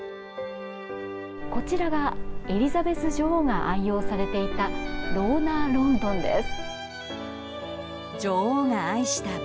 こちらがエリザベス女王が愛用されていたロウナーロンドンです。